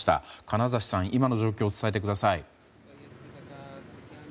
金指さん、今の状況を伝えてください。